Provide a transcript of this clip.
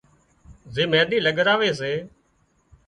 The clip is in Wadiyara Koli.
زي مينۮِي لڳراوي سي